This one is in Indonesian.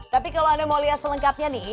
tapi kalau anda mau lihat selengkapnya nih